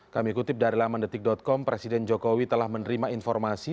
kami kutip dari lamandetik com presiden jokowi telah menerima informasi